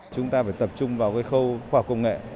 chúng ta phải tập trung vào cái khâu khoa học công nghệ